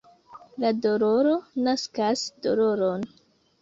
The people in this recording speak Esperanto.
La doloro naskas doloron.